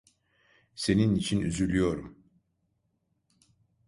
Senin için üzülüyorum.